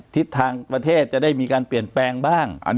ทิศทางประเทศจะได้มีการเปลี่ยนแปลงบ้าง